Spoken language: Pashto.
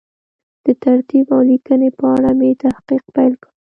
د ترتیب او لیکنې په اړه مې تحقیق پیل کړ.